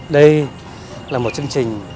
đây là một chương trình